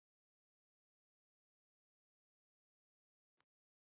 Tyson Foods' largest beef production plant is located in Dakota City.